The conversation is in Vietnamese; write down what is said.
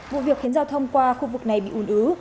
vụ việc khiến giao thông qua khu vực này bị ủn ứ